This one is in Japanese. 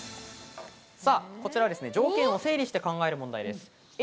こちらは条件を整理して考える問題です。